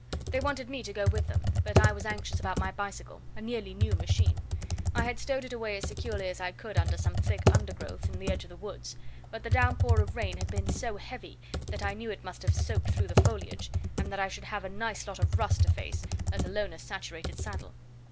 They wanted me to go with them but I was anxious about my bicycle, a nearly new machine. I had stowed it away as securely as I could under some thick undergrowth on the edge of the woods, but the downpour of rain had been so heavy that I knew it must have soaked through the foliage, and that I should have a nice lot of rust to face, let alone a saturated saddle.